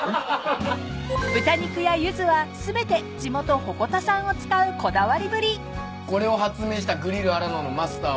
［豚肉やユズは全て地元鉾田産を使うこだわりぶり］